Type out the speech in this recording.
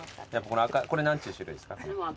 これ何ていう種類ですか？